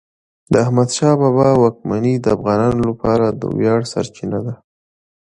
د احمدشاه بابا واکمني د افغانانو لپاره د ویاړ سرچینه ده.